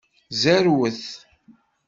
Zerwet.